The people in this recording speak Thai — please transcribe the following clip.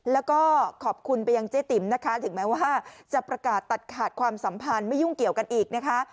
แล้วก็ขอบคุณไปยังเจ๊ติ๋มนะคะถึงแม้ว่าจะประกาศตัดขาดความสัมพันธ์ไม่ยุ่งเกี่ยวกันอีกนะคะ